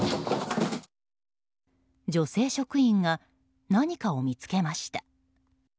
女性職員が何かを見つけました。